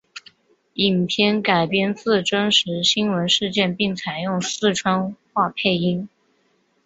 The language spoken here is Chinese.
影片改编自真实新闻事件并采用四川话配音。